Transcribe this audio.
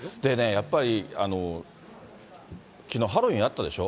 やっぱり、きのう、ハロウィーンあったでしょ、